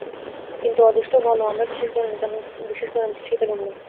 কিন্তু অদৃষ্ট ভাল, আমরা বিশেষ গরম কিছুই পেলুম না।